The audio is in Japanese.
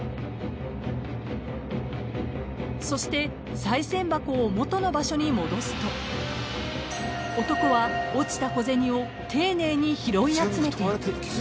［そしてさい銭箱を元の場所に戻すと男は落ちた小銭を丁寧に拾い集めていく］